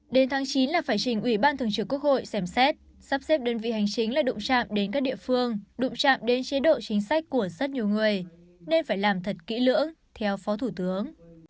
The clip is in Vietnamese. đến tháng chín là phải trình ủy ban thường trực quốc hội xem xét sắp xếp đơn vị hành chính là đụng chạm đến các địa phương đụng chạm đến chế độ chính sách của rất nhiều người nên phải làm thật kỹ lưỡng theo phó thủ tướng